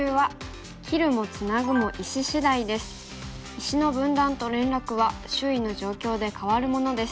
石の分断と連絡は周囲の状況で変わるものです。